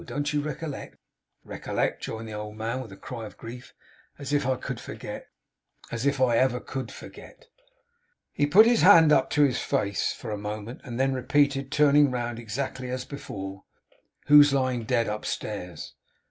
Don't you recollect?' 'Recollect!' rejoined the old man, with a cry of grief. 'As if I could forget! As if I ever could forget!' He put his hand up to his face for a moment; and then repeated turning round exactly as before: 'Who's lying dead upstairs?